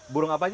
burung apa aja